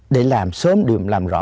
để làm sớm điểm làm rõ